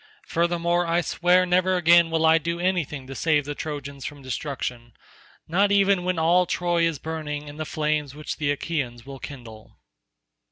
Furthermore I swear never again will I do anything to save the Trojans from destruction, not even when all Troy is burning in the flames which the Achaeans will kindle."